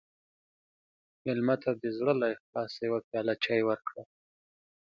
مېلمه ته د زړه له اخلاصه یوه پیاله چای ورکړه.